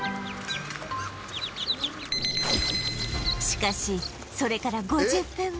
しかしそれから５０分後